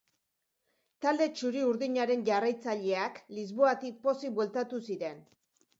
Talde txuri urdinaren jarraitzaileak Lisboatik pozik bueltatu ziren.